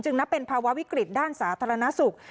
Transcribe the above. นับเป็นภาวะวิกฤตด้านสาธารณสุข